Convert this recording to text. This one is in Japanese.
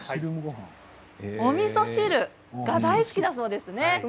おみそ汁が大好きだそうですね。